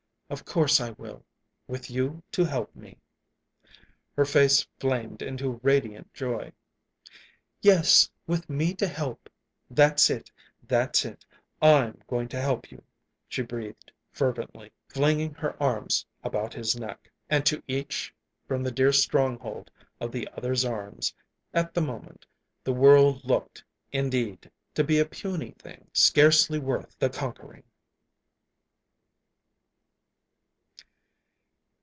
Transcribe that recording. "Of course I will with you to help me." Her face flamed into radiant joy. "Yes, with me to help! That's it, that's it I'm going to help you," she breathed fervently, flinging her arms about his neck. And to each, from the dear stronghold of the other's arms, at the moment, the world looked, indeed, to be a puny thing, scarcely worth the conquering.